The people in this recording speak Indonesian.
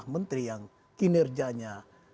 menteri yang kinerjanya